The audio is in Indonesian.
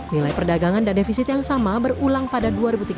nilai perdagangan dan defisit yang sama berulang pada dua ribu tiga belas